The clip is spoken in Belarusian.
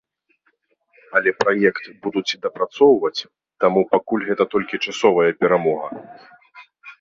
Але праект будуць дапрацоўваць, таму пакуль гэта толькі часовая перамога.